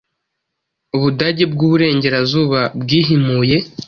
u Budage bw'u Burengera zuba bwihimuye